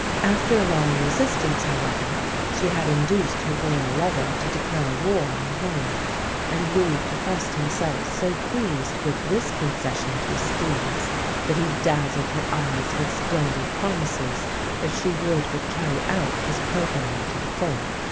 After a long resistance, however, she had induced her Royal lover to declare war on Holland; and Louis professed himself so pleased with this concession to his schemes, that he dazzled her eyes with splendid promises if she would but carry out his programme to the full.